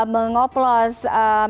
mengoplos minuman tersebut